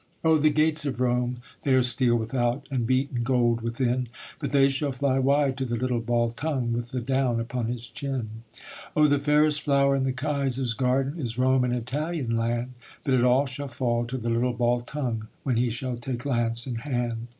Oh the gates of Rome they are steel without, And beaten gold within: But they shall fly wide to the little Baltung With the down upon his chin. Oh the fairest flower in the Kaiser's garden Is Rome and Italian land: But it all shall fall to the little Baltung When he shall take lance in hand.